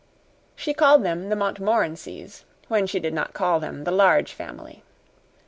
She called them the Montmorencys when she did not call them the Large Family.